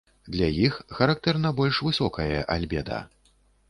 Для іх характэрна больш высокае альбеда.